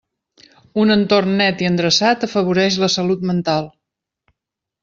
Un entorn net i endreçat afavoreix la salut mental.